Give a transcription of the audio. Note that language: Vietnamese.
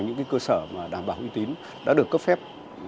những cái cơ sở mà đảm bảo uy tín đã được cấp phép